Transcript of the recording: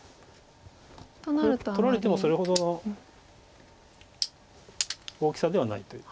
これ取られてもそれほどの大きさではないという。